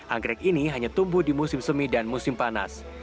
anggrek ini hanya tumbuh di musim semi dan musim panas